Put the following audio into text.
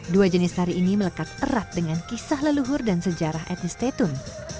dua jenis tari ini melekat erat dengan kisah leluhur dan sejarah etnis tetun